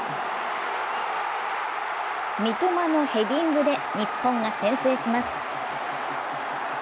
三笘のヘディングで日本が先制します。